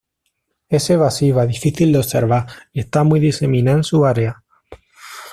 Es evasiva, difícil de observar, y está muy diseminada en su área.